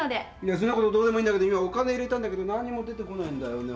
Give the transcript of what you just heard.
そんなことどうでもいいんだけど今お金入れたんだけど何にも出てこないんだよね。